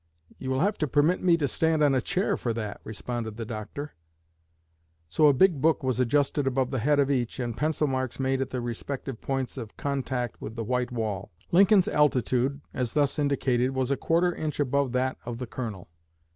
"You will have to permit me to stand on a chair for that," responded the Doctor. So a big book was adjusted above the head of each, and pencil marks made at the respective points of contact with the white wall. Lincoln's altitude, as thus indicated, was a quarter inch above that of the Colonel.